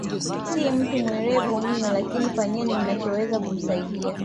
Si mtu mwelevu mno lakini fanyeni mnachoweza kumsaidia